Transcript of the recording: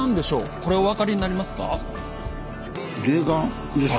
これお分かりになりますか？